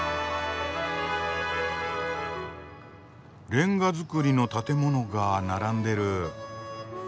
レンガ造りの建物が並んでる。